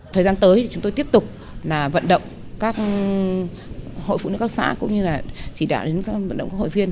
thời gian tới thì chúng tôi tiếp tục vận động các hội phụ nữ các xã cũng như là chỉ đạo đến các vận động các hội viên